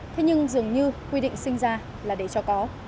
thế nhưng dường như quy định sinh ra là để cho có